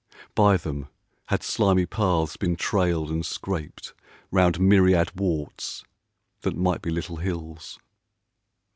By them had slimy paths been trailed and scraped Round myriad warts that might be little hills.